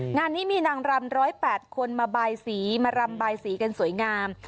งานนี้มีนางรำ๑๐๘คนมาบายสีมารำบายสีกันสวยงาม